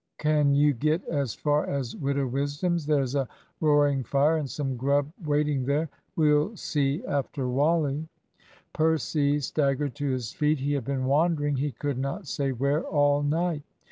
Can you get as far as Widow Wisdom's? There's a roaring fire and some grub waiting there. We'll see after Wally." Percy staggered to his feet. He had been wandering, he could not say where, all night.